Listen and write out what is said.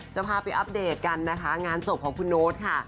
จะพาไปอัปเดตกันนะคะงานศพของคุณโน๊ตค่ะ